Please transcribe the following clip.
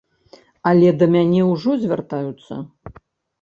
Але да мяне ўжо звяртаюцца.